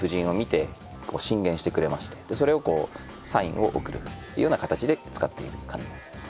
それをサインを送るというような形で使っている感じですね。